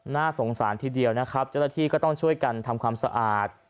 น่าสงสารทีเดียวนะครับเจ้าหน้าที่ก็ต้องช่วยกันทำความสะอาด